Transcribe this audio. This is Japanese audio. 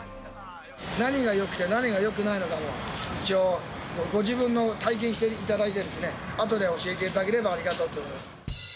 何がよくて、何がよくないのかも、一応、ご自分の体験していただいてですね、あとで教えていただければありがたいと思います。